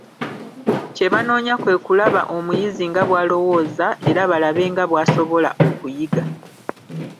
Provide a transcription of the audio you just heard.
Kye banoonya kwe kulaba omuyizi nga bw'alowooza era balabe nga bw'asobola okuyiga.